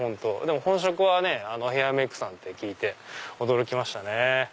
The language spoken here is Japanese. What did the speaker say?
本職はヘアメイクさんって聞いて驚きましたね。